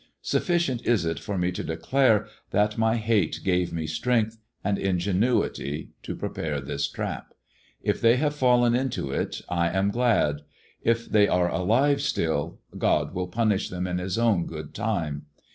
Sufficient s it for me to declare that my hate gave me strength and ngenuity to prepare this trap. If they have fallen into 218 THE DEAD MAN'S DIAMONDS it I am glad; if they are alive still, God will punish them in His own good time.